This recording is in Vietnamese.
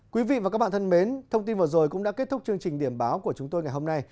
quý vị và các bạn thân mến thông tin vừa rồi cũng đã kết thúc chương trình điểm báo của chúng tôi ngày hôm nay